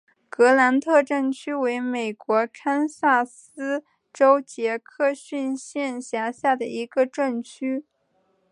格兰特镇区为美国堪萨斯州杰克逊县辖下的镇区。